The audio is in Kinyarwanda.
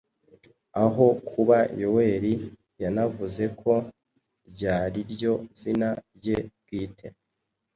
aho kuba “Yoweri”, yanavuze ko ryariryo zina rye bwite.